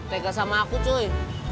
tega sama aku cuy